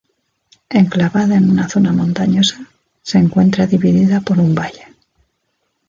Enclavada en una zona montañosa, se encuentra dividida por un valle.